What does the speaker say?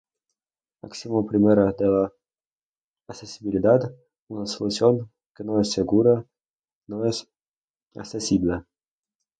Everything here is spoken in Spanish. Axioma primero de la accesibilidad: una solución que no es segura, no es accesible.